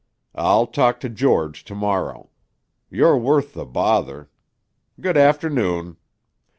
I'll talk to George to morrow. You're worth the bother. Good afternoon."